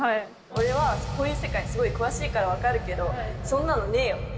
「俺はこういう世界すごい詳しいからわかるけどそんなのねぇーよ」。